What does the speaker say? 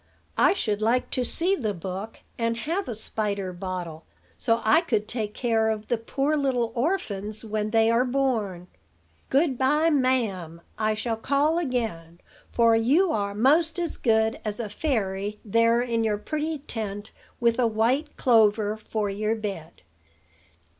"I should like to see the book; and have a spider bottle, so I could take care of the poor little orphans when they are born. Good by, ma'am. I shall call again; for you are 'most as good as a fairy there in your pretty tent, with a white clover for your bed."